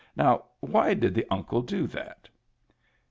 Now why did the Uncle do that